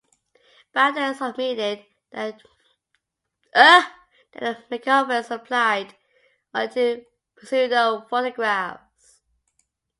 Bowden submitted that the making offence applied only to pseudo-photographs.